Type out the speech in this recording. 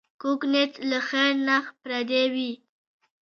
کوږ نیت له خېر نه پردی وي